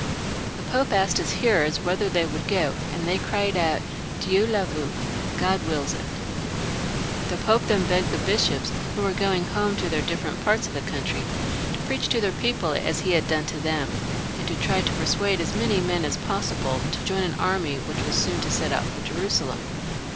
The Pope asked his hearers whether they would go, and they cried out, " Dieu le veut ;" God wills it. The, Pope then begged the bishops, who were going home to their diflferent parts of the country, to preach to their people as he had done to them, anil to try to persuade as many men as possible to join an army which was soon to set out' for ^1 xni.1 PHILIP L 69 Jerusalem.